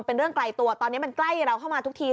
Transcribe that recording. เป็นเรื่องไกลตัวตอนนี้มันใกล้เราเข้ามาทุกที